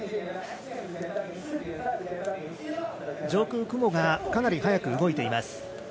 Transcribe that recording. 上空、雲がかなり速く動いています。